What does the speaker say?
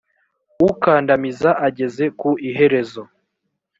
ukandamiza ageze ku iherezo